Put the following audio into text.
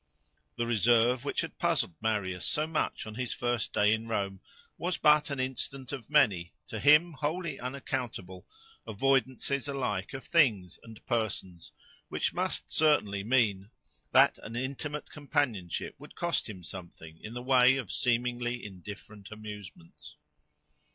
The reserve which had puzzled Marius so much on his first day in Rome, was but an instance of many, to him wholly unaccountable, avoidances alike of things and persons, which must certainly mean that an intimate companionship would cost him something in the way of seemingly indifferent amusements.